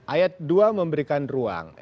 ayat dua memberikan ruang